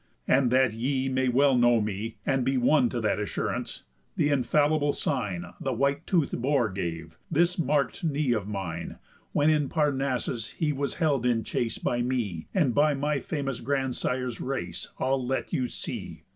And, that ye well may know me, and be won To that assurance, the infallible sign The white tooth'd boar gave, this mark'd knee of mine, When in Parnassus he was held in chase By me, and by my famous grandsire's race, I'll let you see."